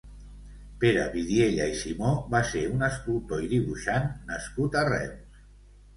Pere Vidiella i Simó va ser un escultor i dibuixant nascut a Reus.